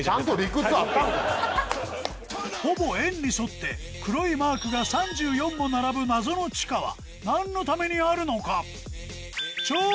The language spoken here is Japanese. ほぼ円に沿って黒いマークが３４も並ぶ謎の地下は何のためにあるのか？